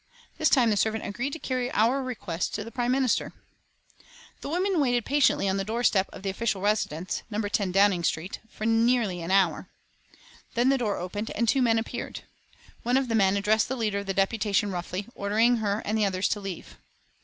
This time the servant agreed to carry our request to the Prime Minister. The women waited patiently on the doorstep of the official residence, No. 10 Downing Street, for nearly an hour. Then the door opened and two men appeared. One of the men addressed the leader of the deputation, roughly ordering her and the others to leave.